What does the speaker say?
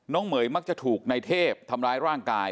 เหม๋ยมักจะถูกในเทพทำร้ายร่างกาย